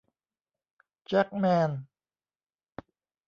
แจ็คแมน